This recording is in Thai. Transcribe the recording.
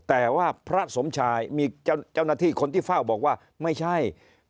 แต่ว่าพระสมชายมีเจ้าหน้าที่คนที่เฝ้าบอกว่าไม่ใช่